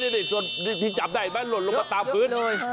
นี่ที่จำได้ไหมล่นลงมาตามพื้น